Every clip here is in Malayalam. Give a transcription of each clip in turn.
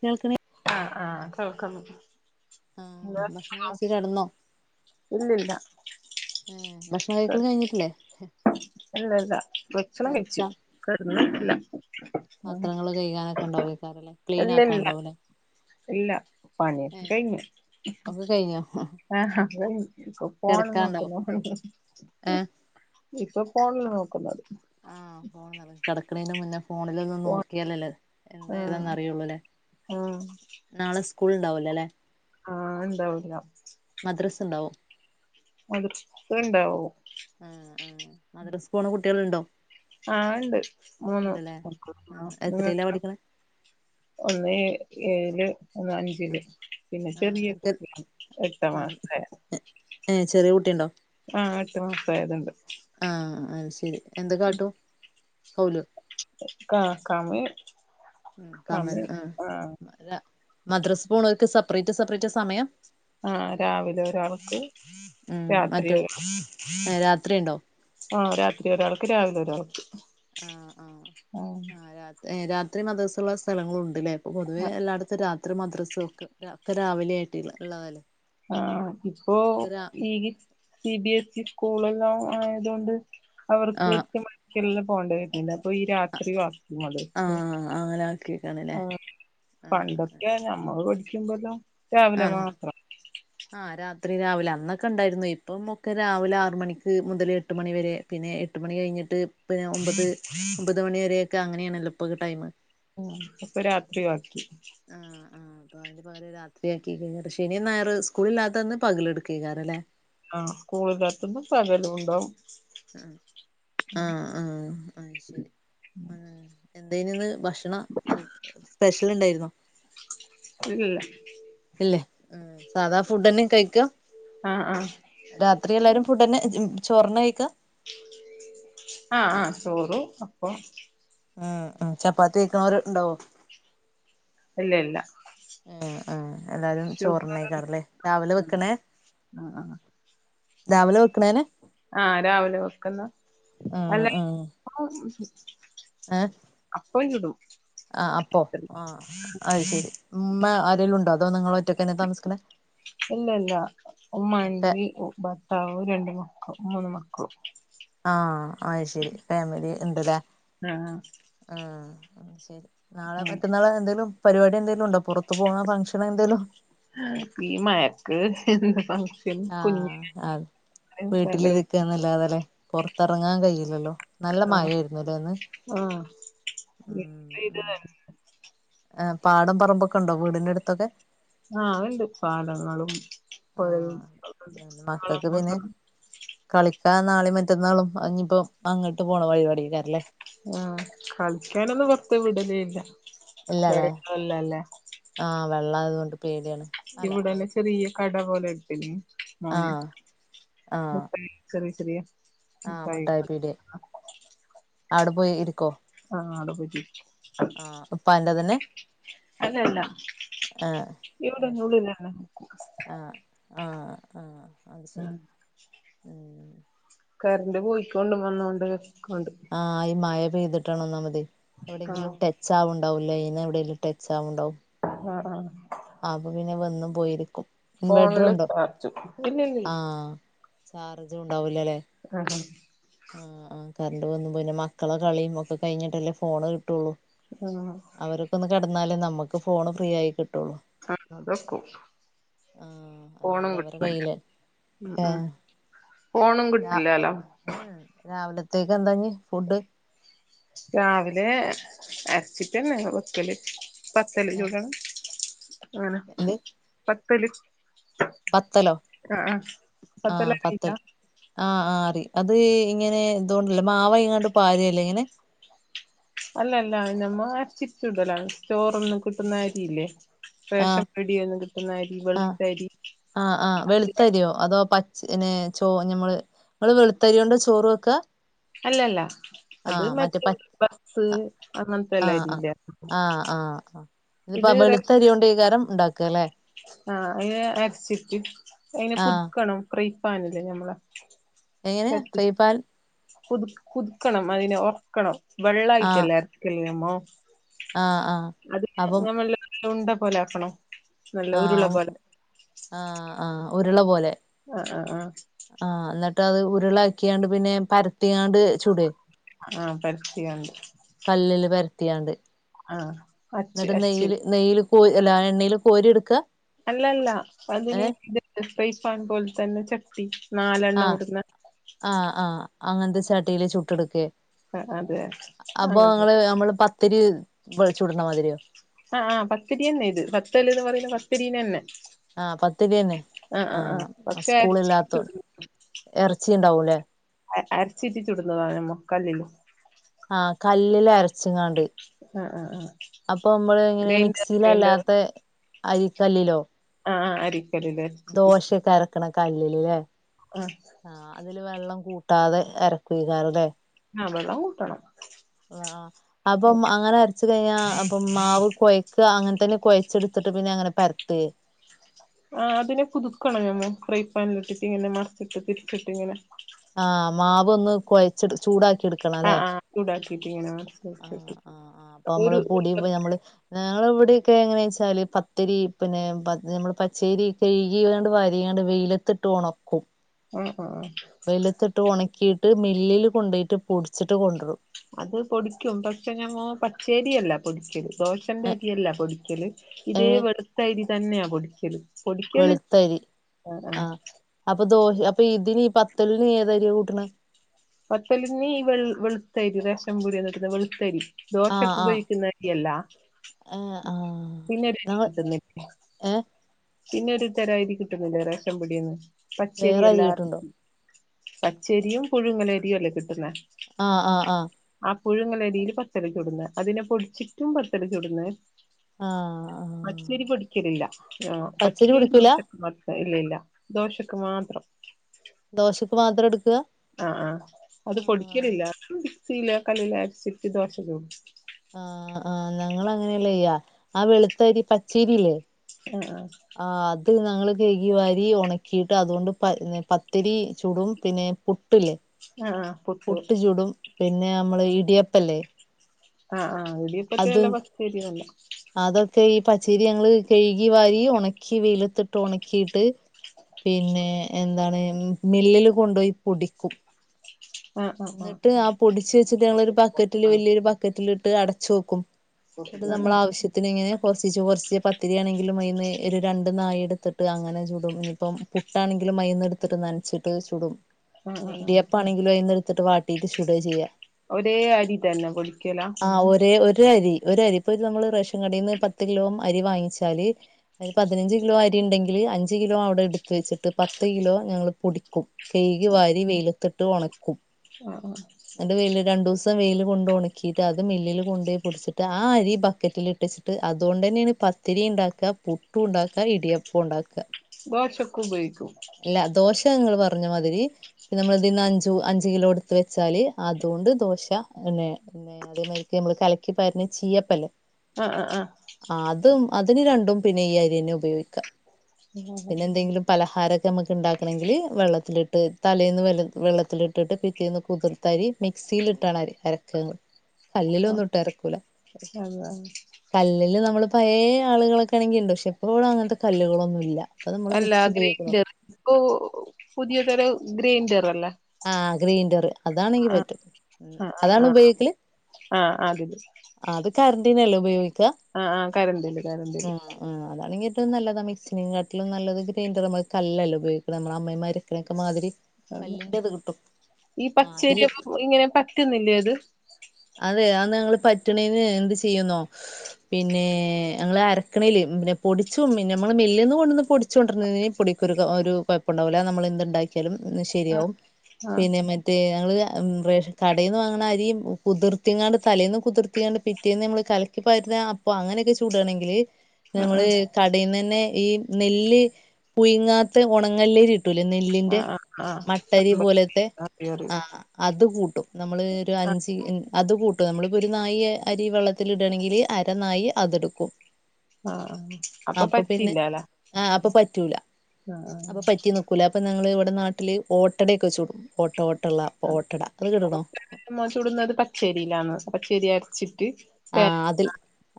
കേൾക ആഹ് ആഹ് കേൾക്ക്ന്ന് ആഹ് ഭക്ഷണം കഴിച്ചു കിടന്നോ ഇല്ലില്ല ഏ ഭക്ഷണം കഴിക്കൽ കഴിഞ്ഞിട്ടില്ലേ ല്ലല്ലാ ഭക്ഷണം കഴിച്ചു തിരക്കാ ഏഹ് കെടന്നില്ല ആഹ് പാത്രങ്ങൾ കഴുകാനൊക്കെ ക്ലീൻ ആക്കാണ്ടാവൂലേ? ഇല്ല പണിയൊക്കെ ഏഹ് കഴിഞ്ഞു ഒക്കെ കഴിഞ്ഞോ ആഹ് ഫോണ് കിടക്കാണ്ടാവും നോക്കുന്നു ഏഹ് ഇപ്പൊ ഫോണില് നോക്കുന്നത് ആഹ് ഫോണത് കിടക്കണന്റെ മുന്നേ ഫോണിലൊന്നു ഫോൺ നോക്കിയാലല്ലേ എന്തായതാന്ന് ആഹ് അറിയുള്ളൂലേ [inaudible] നാളെ സ്കൂൾണ്ടാവുല്ലല്ലെ ആഹ് ണ്ടാവൂല്ല മദ്രസ്ണ്ടാവും [unintelligible] ണ്ടാവും ആഹ് ആഹ് മദ്റസക്കോണ കുട്ടികളുണ്ടോ? ആണ്ട് മൂന്ന് ഉണ്ടല്ലേ ആഹ് എത്രയിലാ [unintelligible] പഠിക്കണേ ഒന്ന് ഏ ഏഴിലും ഒന്ന് അഞ്ചിലും പിന്നെ ചെറിയ ആഹ് കുട്ട്യാ എട്ട് ആഹ് മാസായാ ഏഹ് ചെറിയ കുട്ടിയുണ്ടോ ആഹ് എട്ടു മാസായതുണ്ട് ആഹ് അത് ശരി എന്ത്‌ കാട്ടും കൗലു ആഹ് കമി കമ കമി ആഹ് മദ്രസ് പോണോർക്ക് സെപ്പറേറ്റ് സെപ്പറേറ്റാ സമയം ആഹ് രാവിലെ ഒരാൾക്ക് ഉം രാത്രി മറ്റോ ഒരാൾ രാത്രി ഇണ്ടോ ആഹ് രാത്രി ഒരാൾക്ക് രാവിലെ ഒരാൾക്ക് ആഹ് ആഹ് ആഹ് ആ രാത്രി മദ്രസുള്ള സ്ഥലങ്ങളുണ്ട്ല്ലേ പൊതുവേ എല്ലാടത്തും രാത്രി മദ്രസ്സ് ഒക്കെ ഒക്കെ രാവിലെ ആയിട്ട്ള്ളതല്ലേ ആഹ് ഇപ്പോ ഈ സി ബി എസ് ഇ സ്കൂളെല്ലോം ആയത് കൊണ്ട് അവർക്ക് ആഹ് എട്ട് മണിക്കെല്ലാം പോകേണ്ടി വരണ്ട് അപ്പൊ ഈ രാത്രി [unintelligible] ആഹ് അങ്ങനെ ആക്കിക്കാണല്ലേ ആഹ് ആഹ് പണ്ടൊക്കെ ഞമ്മള് പഠിക്കുമ്പല്ലോം ആണോ ആഹ് രാത്രി രാവിലെ അന്നൊക്കെ ഇണ്ടായിരുന്നു ഇപ്പം ഒക്കെ രാവിലെ ആറ് മണിക്ക് മുതൽ എട്ട് മണിവരെ പിന്നെ എട്ട് മണി കഴിഞ്ഞിട്ട് പിന്നെ ഒമ്പത് ഒമ്പത് മണി വരെക്കെ അങ്ങനെയണല്ലോ ഇപ്പക്കുടൈം ഉം അപ്പൊ രാത്രി ആക്കി ആഹ് ആഹ് അപ്പൊ അതിന്റെ പകരം രാത്രിയാക്കി കഴിഞ്ഞ ശനി ഞായറും സ്കൂളില്ലാത്തന്ന് പകൽ ഇട്ക്കു ഏക്കാരല്ലേ ആഹ് സ്കൂളിലത്തുമ്പോ പകലും ഇണ്ടാവും ആഹ് ആഹ് ആഹ് ആഹ് ശരി ആഹ് എന്തേനിന്ന് ഭക്ഷണം സ്പെഷ്യൽ ഇണ്ടായിരുന്നോ ഇല്ല ഇല്ലേ സാധാ ഫുഡേന്നെ കഴിക്കാ ആഹ ആ രാത്രി എല്ലാരും ഫുഡെന്നെ ചോർന്നെ കഴിക്കാ ആഹ ആഹ ചോറു അപ്പൊ ഉം ഉ ചപ്പാത്തി കഴിക്കുണോര് ഇണ്ടാവോ ഇല്ല ഇല്ല ഹേ ഹേ എല്ലാരും ഷുഗർ ചോറ്നേക്കാരല്ലേ രാവിലെ വെക്ക്ണേ ആ ആ രാവിലെ വെക്ക്ണേനെ ആഹ രാവിലെ വെക്ക്ന്ന് ആഹ് അല്ലേ ആഹ് ഇപ്പം അപ്പചുടും ആ അപ്പം ആഹ അയ്ശെരി ഇമ്മേ ആരെലും ഇണ്ടോ അതോ നിങ്ങൾ ഒറ്റക്കെന്നെ താമസിക്ക്ണെ ഇല്ല ഇല്ല ഉമ്മണ്ട് അതെ ഭർത്താവ് രണ്ട് മക്ക മൂന്ന് മക്കളും ആഹ അയ്ശെരി ഫാമിലി ഇണ്ട്ലെ ആ ആ ശരി നാളെ ആ. മറ്റന്നാളോ എന്തേലും പരിപാടി എന്തെങ്കിലും ഉണ്ടോ പുറത്ത് പോവ്ണ ഫംഗ്ഷൻ എന്തെലും ആ ഈ മഴക്ക് എന്ത്‌ ഫംഗ് ആഹ അ ഭയങ്കര വീട്ടിലിരിക്കാന്നല്ലാതേല്ലെ പോറത്തിറങ്ങാൻ കയില്ലല്ലോ നല്ല ആ മയയിരുന്നുല്ലേ ഇന്ന് [unintelligible] ആ പാടം പറമ്പൊക്കെ ഉണ്ടോ വീടിന്റെ അടുത്തൊക്കെ ആ അഹ് ഇണ്ട് പാടങ്ങളും പുഴയും ഒക്കെണ്ട് ആഹ് മക്കൾക്ക് പിന്നെ കാളപൂട്ടും കളിക്കാൻ നാളെ മറ്റന്നാളും ഇഞ്ഞ്പ്പോ അങ്ങോട്ട് പോണ പരിപാടിഏക്കാരംല്ലേ ആഹ കളിക്കാനൊന്നും പോറത്ത് വിടൽല്ല ഇല്ലല്ലേ ആഹ വെള്ളായതോണ്ട് ഇവിടെല്ലാം ചെറിയ കട പോലെ ഇണ്ട് മോൻ ആഹ് മുട്ടായി ചെറിയ ചെറിയ ആഹ മുട്ടായി പീടിയ അവടെ പോയി ഇരിക്കോ ആഹ അവടെ പോയിട്ടിരിക്കും ആ ഇപ്പന്റെ തന്നെ അല്ലല്ല ആഹ് ഇവിടെ അത് ശരി [unintelligible] ആളാ ആഹ് ആ ആ അഹ് ശരി ആഹ് കരണ്ട് പോയിക്കോൊണ്ടും വന്നോണ്ട് കണ്ട് ആഹ ഈ മഴ പെയ്തിട്ടണന്നാമതെ എവിടെങ്കിലും ആഹ് ടെ ച്ചാവ് ണ്ടാവും ലൈന് എവിടേലും ടച്ചാവ്ണ്ടാവും ആ ആ അപ്പൊ പിന്നെ വന്നും പോയിരിക്കും ഇൻവെട്ടർ ഫോണില് ഉണ്ടോ ചാർജും ഇല്ലല്ലേ ആഹ ചാർജും ഉണ്ടാവൂലലെ [unintelligible] ആ ആ് കറണ്ട് വന്നു പിന്നെ മക്കളെ കളിയും ഒക്കെ കഴിഞ്ഞിട്ടല്ലേ ഫോണ് കിട്ടുള്ളു [unintelligible] അവരക്ക ഒന്ന് കെടന്നാലേ നമുക്ക് ഫോണ് ഫ്രീ ആയി കിട്ടുള്ളൂ [unintelligible] ആഹ് ഫോണും അല്ലെങ്കി അവരെ കിട്ടല്ല കയ്യില് ആ ആ ഏഹ് ഫോണും കിട്ടില്ലലോ ഉ രാവിലത്തേക്ക് എന്താഞ്ഞ ഫുഡ് രാവിലെ അരച്ചിട്ടന്നെ വെക്കല് പത്തല് ഏഹ് ചൂടണം അങ്ങനെ എന്ത് പത്തല് പത്തലോ ആഹ പത്തല് ആഹ് അറിയില്ല പത്തൽ ആഹ് ആഹ് അറി അത് ഇങ്ങനെ ഇതുകൊണ്ടല്ലെ മാവ അയിങ്ങാണ്ട് പാരെല്ലേ ഇങ്ങനെ? അല്ലല്ല [unintelligible] സ്റ്റോറൊന്നു കിട്ടുന്ന അരിയില്ലേ റേഷൻ ആഹ് പീട്യേന്ന് കിട്ടുന്ന അരി ആഹ് വെൾത്തരി. ചിന്നെ ചോ ഞമ്മള് ഇങ്ങള് വെൾത്തരിയോണ്ട് ചോറ് വെക്കാ? അല്ലല്ല അത് ആഹ് മറ്റേ പ ബസ് ആഹ് അങ്ങൻത്തെ എല്ല അരില്ലെ ഇതിപ്പ വെളുത്ത അരിയൊണ്ടെയ്കാരം ഇണ്ടാക്ക ല്ലെ? ആഹ് അയിന് അരച്ചിട്ട് അയിന് ആഹ് പുത്ക്കണം പ്രൈ പാനില്ലേ ഞമ്മളെ എങ്ങനെ പ്രൈപാൻൽ കുത് കുതുക്കണം അയിനെ ഒർക്കണം ആഹ് വെള്ളായിട്ടല്ലെ അര്ക്കല് അമ്മോ ആഹ് ആഹ് അത് അപ്പം ഞമ്മല്ല ഉണ്ട പോലെ ആക്കണോ? ആഹ് ഉണ്ട് ആഹ് ആഹ് ഉരുള പോലെ ആഹ് ആഹ് ആഹ് ആഹ് എന്നിട്ട് അത് ഉരുളാക്കിയാണ്ട് പിന്നെ പര് ആഹ് പര്ത്തിയാണ്ട് കല്ലില് പര്ത്തിയാണ്ട്. ആഹ് അച്ച് എന്നിട്ട് അച്ചിൽ നെയ്യ്ല് നെയ്യ്ല് കോ അല്ല എണ്ണേൽ കോരി എട്ക്ക? അല്ലല്ല അതിന് തിണ്ട് സ്പൈഫാൺ പോലെ തന്നെ ചട്ടി നാലെണ്ണം ആഹ് ഇടുന്ന ആഹ് ആഹ് അങ്ങൻത്തെ ചട്ടീല് ചുട്ട എട്ക്കെ ആഹ് അതെ അപ്പൊ അങ്ങനത്തെ ഇങ്ങള് നമ്മള് പത്തിരി വെൾ ചുട്ണെ മാതിരിയോ ആ ആഹ് പത്തിരിയന്നെ ഇത് പത്തല് എന്ന് പറയുന്നത് പത്തിരിനന്നെ ആഹ് പത്തിര്യന്നെ ആഹ് പക്ഷെ സ്കൂൾ അരച്ചി ഇല്ലാത്തോ ചുടും എർച്ചി ഉണ്ടാവുല്ലേ? അ അര്ച്ചിട്ടി ചുടുന്നതാണ് ഞമക്കല്ലിൽ ആഹ് കല്ലില് അരച്ചിങ്ങാണ്ട് ആഹ് ആഹ് ആഹ് അപ്പൊ അമ്മള് എങ്ങനെ ഗ്രൈൻഡർ ഗ്രൈൻഡർ മിക്സിയിലല്ലാത്ത അരിക്കല്ലിലോ? ആഹ് ആഹ് അരിരിക്കല്ലില് ദോശെക്കെ അരക്ക്ണ കല്ലില് ല്ലേ? ആഹ് ആഹ് അതില് വെള്ളം കൂട്ടാതെ എരക്കുയ്ക്കാരം ല്ലേ? ആഹ് വെള്ളം കൂട്ടണം. ആഹ് അപ്പം അങ്ങനെ അര് വച്ച് കഴിഞ്ഞാ അപ്പം മാവ് കൊഴയ്ക്കാ അങ്ങൻ തന്നെ കൊഴച്ചെടുത്തിട്ട് പിന്നെ അങ്ങനെ പര്ത്തെ ആഹ് അതിനെ കുതുക്കണം ഞമ്മള് ഫ്രൈ പാനിലിട്ടിട്ട് ഇങ്ങനെ മർച്ചിട്ട് തിരിച്ചിട്ട് ഇങ്ങനെ ആഹ് മാവ് ഒന്ന് കൊഴച്ചെട് ചൂടാ ആഹ് ആഹ് ചൂടാക്കിയിട്ടിങ്ങനെ മറി ആഹ് ആഹ് ആഹ് അപ്പൊ അമ്മള് പൊടി ഇപ്പ ഞമ്മള് ഞങ്ങള് ഇവിടെയൊക്കെ എങ്ങനേച്ചാല് പത്തിരി പിന്നെ പത് നമ്മള് പച്ചരി കഴുകിവാണ്ട് വാരിയാണ്ട് വെയില ത്തിട്ട് ഒണക്കും ആഹ് ആഹ് വെയിലത്തിട്ട് ഉണക്കിയിട്ട് മില്ലില് കൊണ്ടോയിട്ട് പൊടിച്ചിട്ട് കൊണ്ടരും അത് പൊടിക്കും പക്ഷെ ഞമ്മോ പച്ചേരിയല്ല പൊടിക്കല് ദോശന്റെ അരിയല്ല പൊടിക്കല്. ഇതേ ഏഹ് വെളുത്ത അരി തന്നെയാ പൊടിക്കല് പൊടിക്കലിണ്ട്. വെളുത്തരി ആഹ് ആഹ് അപ്പൊ ദോ അപ്പൊ ഇതിന് പത്തലിന് ഏത് അരിയാ കൂട്ടണേ? പത്തലിന് ഈ വെൾ വെൾത്തയ്രി റേഷൻ പീട്യേന്ന് കിട്ട്ണ വെളുത്തരി ആഹ് ദോശയ്ക്ക് ആഹ് ഉപയോഗിക്കുന്ന അരിയല്ല ഏഹ് ആഹ് പിന്നെ ഒരു അരി ഞങ്ങൾ കിട്ടുന്നില്ലേ? ഏഹ് പിന്നൊരു തരാ അരി കിട്ടുന്നില്ലേ റേഷൻ പീട്യേന്ന്. പച്ചരി വേറെ അരി അല്ലാ കിട്ടുണ്ടോ പച്ചരിയും പുഴുങ്ങലരിയും അല്ലേ കിട്ടുന്നേ ആഹ് ആഹ് അഹ് ആഹ് പുഴുങ്ങലരില് പത്തല് ചുടുന്നേ അതിനെ പൊടിച്ചിട്ടും പത്തല് ചുടുന്നേ ആഹ് ആഹ് പച്ചരി പൊടിക്കൽ ഇല്ല ആഹ് പച്ചരി [unintelligible] മത്ത ഇല്ല ഇല്ല ദോശക്ക് മാത്രം ദോശക്ക് മാത്രം എടുക്കുക ആഹ് ആഹ് അത് ആഹ് പൊടിക്കലില്ല മിക്സിയിലോ കല്ലിലോ അരച്ചിട്ട് ദോശ ചുടും ആഹ് ആഹ് നങ്ങള് അങ്ങനെയല്ല ചെയ്യാ ആഹ് വെളുത്തരി പച്ചരി ഇല്ലേ ആഹ് ആഹ് ആഹ് അത് ഞങ്ങള് കൈകി വാരി ഒണക്കിയിട്ട് അതുകൊണ്ട് പത്തരി ചൂടും പിന്നെ പു ട്ടില്ലേ ആഹ് ആഹ് പുട്ട് ചൂടും പിന്നെ നമ്മള് ഇടിയപ്പല്ലേ ആഹ് ആഹ് ഇടിയപ്പത്തിന് അത് നല്ലെ പച്ചരിയാ നല്ലെ അതൊക്കെ ഈ പച്ചേരി ഞങ്ങള് കഴുകി വാരി ഉണക്കി വെയിലത്തിട്ട് ഉണക്കിയിട്ട് പിന്നെ എന്താണ് മില്ലില് കൊണ്ടുപോയി പൊടിക്കും [inaudible] എന്നിട്ട് ആഹ് പൊടിച്ച് വച്ചത് ഞങ്ങളൊരു ബക്കറ്റില് വലിയൊരു ബക്കറ്റിലിട്ട് അടച്ചു വക്കും എന്നിട്ട് ആഹ് ആഹ് നമ്മൾ ആവശ്യത്തിന് ഇങ്ങനെ കുറച്ച് കുറച്ച് പത്തിരിയാണെങ്കിലും അതീന്ന് ഒരു രണ്ട് നായി എടുത്തിട്ട് അങ്ങനെ ചുടും ഇനിയിപ്പം പുട്ടാണെങ്കിലും മൈന്ന് എടുത്തിട്ട് നനച്ചിട്ട് ചുടും ആഹ് ഇനി ആഹ് ആഹ് ഇടിയപ്പം ആണെങ്കിലും അതീന്ന് എടുത്തിട്ട് വാട്ടീട്ട് ചുടുവാ ചെയ്യാ ഒരേ അരി തന്നെ പൊളിക്കലാ ആഹ് ഒരേ ഒരു അരി ഒരു അരി ഇപ്പൊ ഇത് നമ്മള് റേഷൻ കടയിൽന്ന് പത്ത് കിലോ അരി വാങ്ങിച്ചാല് അതിന് പതിനഞ്ച് കിലോ അരി ഉണ്ടെങ്കില് അഞ്ച് കിലോ അവിടെ എടുത്ത് വെച്ചിട്ട് പത്ത് കിലോ ഞങ്ങള് പൊടിക്കും കൈകി വാരി വെയിലത്തിട്ട് ഉണക്കും ആഹ് ആഹ് എന്നിട്ട് വെയില് രണ്ടു ദിവസം വെയില് കൊണ്ട് ഉണക്കീട്ട് അത് മില്ലില് കൊണ്ട് പോയി പൊടിച്ചിട്ട് ആഹ് അരി ബക്കറ്റിൽ ഇട്ട് ട്ട് അതുകൊണ്ട് തന്നെയാണ് പത്തിരി ഉണ്ടാക്കുക പുട്ടും ഉണ്ടാക്കുക ഇടിയപ്പം ഉണ്ടാക്കുക [unintelligible] ഉപയോഗിക്കും ഇല്ല ദോശ നിങ്ങൾ പറഞ്ഞ മാതിരി പിന്നെ നമ്മളിതിന്ന് അഞ്ചു അഞ്ച് കിലോ എടുത്ത് വെച്ചാല് അതുകൊണ്ട് ദോശ തന്നെ? ആഹ് അതേമാതിരിക്ക് നമ്മള് കലക്കിപാരിണ ചീയപ്പല്ലേ? അഹ് അഹ് ആഹ് ആഹ് അതും അതിന് രണ്ടും പിന്നെ ഈ അരിയന്നെ ഉപയോഗിക്കാ ആഹ് ആഹ് പിന്നെ എന്തെങ്കിലും പലഹാ അതമ്മക്ക് ഇണ്ടാക്കണങ്കില് വെള്ളത്തിലിട്ട് തലേന്ന് വെള്ളത്തി വെള്ളത്തിലിട്ടിട്ട് പിറ്റേന്ന് കു തിർത്തരി മിക്സീലിട്ടാണ് അരി അരക്കാങ്ങള് കല്ലിലൊന്നും ഇട്ട് അരക്കൂ അതെതെ കല്ലില് നമ്മള് പഴേ ആള്കളൊക്കാണെങ്കി ഇണ്ട് പക്ഷെ ഇപ്പൊബടെ അങ്ങൻത്തെ കല്ലുകളൊന്നൂല്ല. അല്ല അങ്ങനെ ഈ [unintelligible] ഇപ്പൊ പുതിയ തരം ഗ്രൈൻഡറല്ലേ? ആഹ് ഗ്രേയ്ന്ററ് അതാണെങ്കി പറ്റും ഉം ആഹ് അതാണ് ആഹ് ഉപയോഗിക്കല്? ആഹ് ആഹ് അതില് ആഹ് അത് കര്ന്റിനല്ലേ ഉപയോഗി ആഹ് ആഹ് കരന്റില് കരന്റില്. ആഹ് അതാണെങ്കി ഏറ്റവും നല്ലതാ മിക്സിനേകാട്ടിലും നല്ലത് ഗ്രൈൻഡർമ്മേ കല്ലല്ലേ ഉപയോഗിക്കണത് നമ്മളമ്മിമ്മേ ക്കെ മാതിരി അതെ കല്ലിന്റെത് കിട്ടും ഈ ആഹ് അതില് പച്ചേരിപ്പം ഇങ്ങനെ പറ്റുന്നില്ലേത്? അതെ അത് ഞങ്ങള് പറ്റ്ണീന് എന്ത് ചെയ്യുന്നോ പിന്നെ ഞങ്ങള് അരക്കണേല് പിന്നെ പൊടിച്ചു പിന്നെ ഞമ്മള് മില്ല്ന്ന് കൊടുന്ന് പൊടിച്ചു കൊണ്ടിര് പൊടിക്കൊരു കൊ ആഹ് ഒരു കൊഴപ്പുണ്ടാവൂല നമ്മളെന്ത്ണ്ടാക്കിയാലും അത് ശരിയാവും. ആ പിന്നെ മറ്റേ ഞങ്ങള് ആഹ് റേഷൻ കടീന്ന് വാങ്ങ്ണ അരിയും കുതിർത്തിങ്ങാണ്ട് തലേന്ന് കുതിർത്തിങ്ങാണ്ട് പിറ്റേന്ന് നമ്മള് കലക്കി പരുന്ന അപ്പൊ അങ്ങനെയൊക്കെ ചൂടണെങ്കില് ആ ആ നമ്മള് കടീന്നന്നെ ഈ നെല്ല് പുയ്ങ്ങാത്ത ഒണങ്ങല്ലേരിട്ടൂല്ലേ ആ നെല്ലിന്റെ? ആ ആ മട്ടരി കമ്പം പോലോത്തെ അറിയും അറിയും ആ അത് കൂട്ടും നമ്മള് ഒരു ആ അഞ്ച് ഉം അത് കൂട്ടും നമ്മളിപ്പോ ഒരു നായീ അരി വെള്ളത്തിലിടാണങ്കില് അര നായി അതെടുക്കും. ആഹ് അപ്പൊ പറ്റില്ലാല്ലേ ആ ഉം അപ്പൊ ആഹ് [unintelligible] ഞങ്ങളിവിടെ നാട്ടില് ഓട്ടടയൊക്കെ ചൂടും ഓട്ട ഓട്ടയുള്ള അപ്പം ഓട്ടട അത് കേട്ടുക്കണോ നമ്മള് ചൂടുന്നത് പച്ചരിയിലാണ് പച്ചരി അരച്ചിട്ട് ആ തേ അതിൽ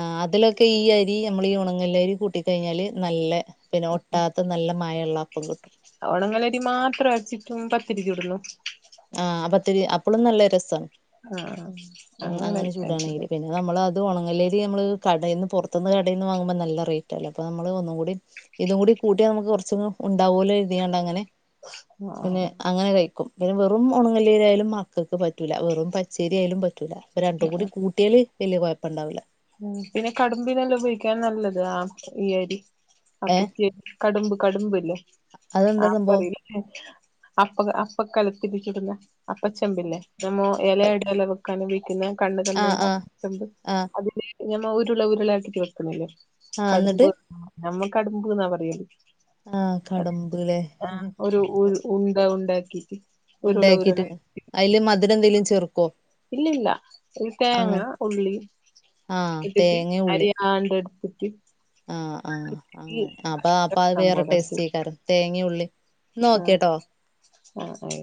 ആ അതിലൊക്കെ ഈ അരി ഞമ്മളീ ഒണങ്ങലരി കൂട്ടിക്കഴിഞ്ഞാല് നല്ല പിന്നെ ഒട്ടാത്ത നല്ല മയവുള്ള അപ്പം കിട്ടും. ഒണങ്ങല്ലരി മാത്രം അരച്ചിട്ടും പത്തിരി ചുടുന്നോ ആഹ് ആ പത്തിരി അപ്പളും നല്ല രസാണ്. ആഹ് ആഹ് ഉം അങ്ങനെ ചൂടാണെങ്കില് [unintelligible] അത് പിന്നെ നമ്മളത് ഒണങ്ങല്ലരി നമ്മള് കടേന്ന് പൊറത്തെന്ന് കടേന്ന് വാങ്ങുമ്പോ നല്ല റേറ്റല്ലേ അപ്പൊ നമ്മള് ഒന്നും കൂടി ഇതുംകൂടി കൂട്ടിയാ നമുക്ക് കുറച്ചും ഉണ്ടാവോല്ലോ കരുതീങ്ങാണ്ടങ്ങനെ ആ ആ പിന്നെ ആ അങ്ങനെ കഴിക്കും. പിന്നെ വെറും ഒണങ്ങലരിയായാലും മക്കക്ക് പറ്റൂല്ല വെറും പച്ചരിയായാലും പറ്റൂല്ല അപ്പൊ ആ രണ്ടും ആ കൂടി കൂ യാല് വല്ല്യ കൊഴപ്പവുണ്ടാവില്ല ഉം പിന്നെ കടുമ്പിനല്ലേ ഉപയോഗിക്കാൻ നല്ലത് ആഹ് ഈ അരി ആ ഏ കുത്തിയരി കടുമ്പ് കടുമ്പില്ലേ അതെന്താ ആഹ് സംഭവം [unintelligible] അപ്പം അപ്പം കലത്തിലിട്ട് ചുടുന്നേ അപ്പചെമ്പില്ലേ നമ്മോ അപ്പ ഇലയടെല്ലാം വെക്കാൻ ഉപയിക്കുന്ന കണ്ണ് ആഹ് കണ്ണുള്ള ആഹ് അപ്പച്ചെമ്പ് ആഹ് അതില് ഞമ്മ ഉരുള ഉരുള ആക്കിട്ട് വെക്കിണില്ലേ ആഹ് എന്നിട്ട് കടുമ്പ്? ഞമ്മ കടടുമ്പ് എന്നാ പറയല് ആഹ് അത് കടമ്പ്ല്ലേ ആ ഒരു ഊ ഉണ്ട ഉണ്ട ആക്കിയിട്ട് ഉണ്ടയാക്കിട്ട് അതില് മധുരം എന്തേങ്കിലും ചേർക്കുവോ ഇല്ലില്ല ഒരു തേങ്ങ ഉള്ളി ആഹ് ഇട്ടിട്ട് തേങ്ങ ഉള്ളി അരിയാണ്ടെടുത്തിട്ട് ആഹ് ആഹ് ആഹ് അങ്ങനെ അപ്പൊ അപ്പോ അത് അത് കഷ്ണം വേറെ പോലെ എടുത്തിട്ട് ടേസ്റ്റേക്കാരം തേങ്ങയും ഉള്ളിയും എന്നാ ആഹ് ഓക്കേട്ടോ ആഹ് ആഹ്